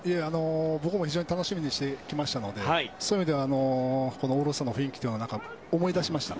僕も非常に楽しみにしていましたのでそういう意味ではこのオールスターの雰囲気を思い出しました。